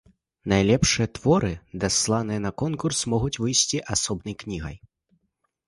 Найлепшыя творы, дасланыя на конкурс, могуць выйсці асобнай кнігай.